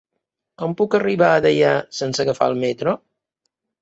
Com puc arribar a Deià sense agafar el metro?